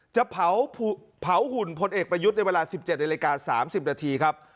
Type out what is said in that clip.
จะเผาหุ่นพลเอกประยุทธ์ในเวลาสิบเจ็ดในรายการสามสิบนาทีครับ